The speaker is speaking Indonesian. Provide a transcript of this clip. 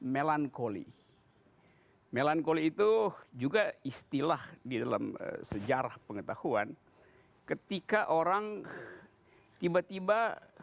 melankoli melankoli itu juga istilah di dalam sejarah pengetahuan ketika orang tiba tiba